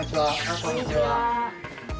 こんにちは。